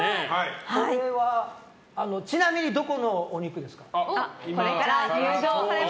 これは、ちなみにどこのお肉ですか？